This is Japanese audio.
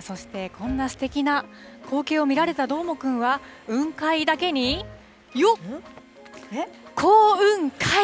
そして、こんなすてきな光景を見られたどーもくんは、雲海だけに、よっ、幸運かい！